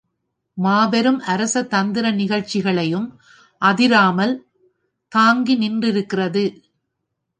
மாபெரும் அரசதந்திர நிகழ்ச்சிகளையும் அதிராமல் தாங்கி நின்றிருக்கிறது.